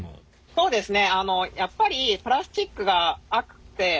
そうですね